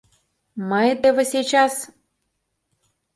Мый теве сейчас...